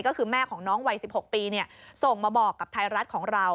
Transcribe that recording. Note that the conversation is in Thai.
ก็คือแม่ของน้องวัย๑๖ปีส่งมาบอกกับไทยรัฐของเรา